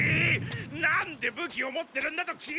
なんで武器を持ってるんだと聞いてんだ！